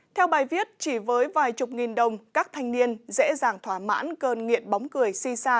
theo bài viết chỉ với vài chục nghìn đồng các thanh niên dễ dàng thỏa mãn cơn nghiện bóng cười si xa